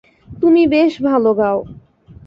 তুমি বেশ ভালো গাও।